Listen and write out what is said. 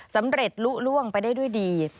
สำเร็จลุล่วงไปได้ด้วยดี